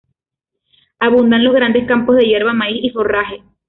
Abundan los grandes campos de hierba, maíz y forraje.